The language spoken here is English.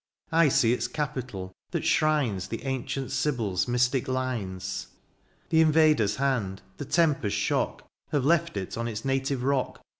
I see its capitol, that shrines The ancient Sybil's mystic lines : The invader's hand, the tempest's shock. Have left it on its native rock.